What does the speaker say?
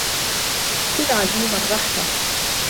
كُن عديم الرحمة.